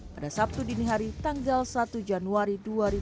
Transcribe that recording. pada sabtu dini hari tanggal satu januari dua ribu dua puluh